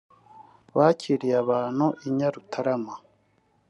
bakiriye abantu i Nyarutarama